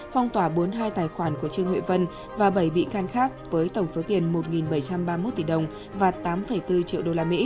phong tỏa bốn mươi hai tài khoản của trương huệ vân và bảy bị can khác với tổng số tiền một bảy trăm ba mươi một tỷ đồng và tám bốn triệu usd